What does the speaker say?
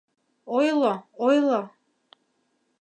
— Ойло, ойло.